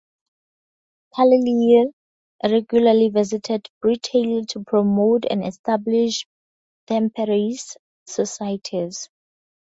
Carlile regularly visited Britain to promote and establish temperance societies.